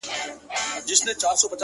چي د زړکي هره تياره مو روښنايي پيدا کړي.